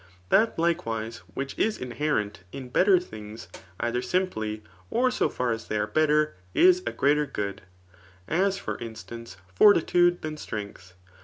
That, likewise, which is inherent in better things either simply, or so far as th^ are better [Is a greater good ;] as, for instance, fbrtmide than strength.